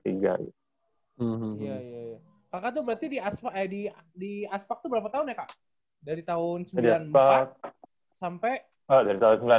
kakak tuh berarti di aspak eh di aspak tuh berapa tahun ya kak